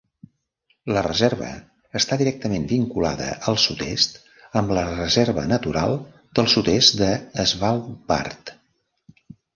La reserva està directament vinculada al sud-est amb la Reserva natural del sud-est de Svalbard.